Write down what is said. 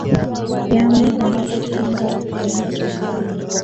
viama vinavyo pingana kuunda serikali moja